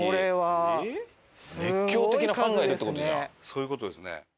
そういう事ですね。